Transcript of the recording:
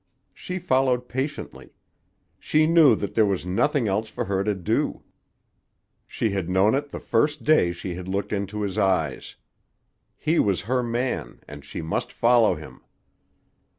She followed patiently. She knew that there was nothing else for her to do. She had known it the first day she had looked into his eyes. He was her man, and she must follow him.